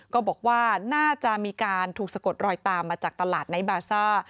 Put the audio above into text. ก็บอกว่าน่าจะมีการถูกสะกดรอยตามมาจากตลาดไนท์บาซ่า